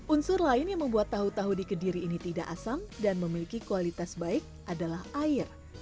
unsur lain yang membuat tahu tahu di kediri ini tidak asam dan memiliki kualitas baik adalah air